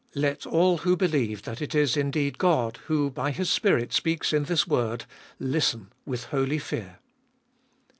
Let all who believe that it is indeed God who, by His Spirit speaks in this word, listen with holy fear.